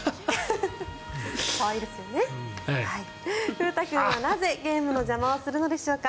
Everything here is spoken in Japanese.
ふうた君はなぜゲームの邪魔をするのでしょうか。